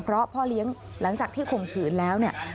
เพราะพ่อเลี้ยงหลังจากที่ข่มขืนแล้วเนี่ย